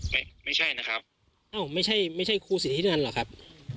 ไม่ใช่นะครับอ้าวไม่ใช่ไม่ใช่ครูสิทธินั่นหรอกครับ